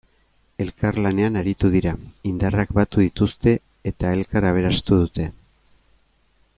Elkarlanean aritu dira, indarrak batu dituzte eta elkar aberastu dute.